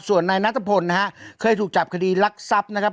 ส่วนนายนัทพลนะฮะเคยถูกจับคดีรักทรัพย์นะครับ